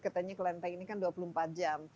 katanya kelenteng ini kan dua puluh empat jam